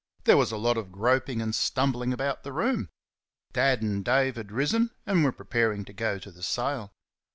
There was a lot of groping and stumbling about the room. Dad and Dave had risen and were preparing to go to the sale.